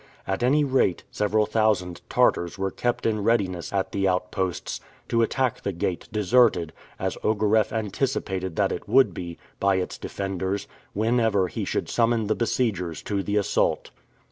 At any rate, several thousand Tartars were kept in readiness at the outposts, to attack the gate, deserted, as Ogareff anticipated that it would be, by its defenders, whenever he should summon the besiegers to the assault.